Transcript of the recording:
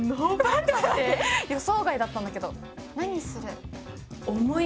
予想外だったんだけど。